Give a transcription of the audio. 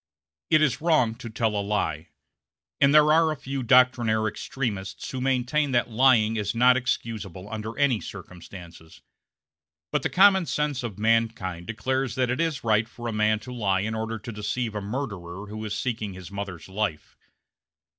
It is wrong to tell a lie, and there are a few doctrinaire extremists who maintain that lying is not excusable under any circumstances; but the common sense of mankind declares that it is right for a man to lie in order to deceive a murderer who is seeking his mother's life.